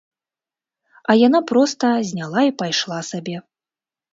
А яна проста зняла і пайшла сабе!